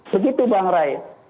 begitu bang ray